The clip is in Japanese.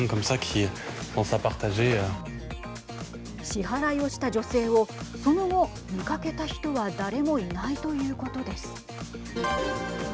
支払いをした女性をその後、見かけた人は誰もいないということです。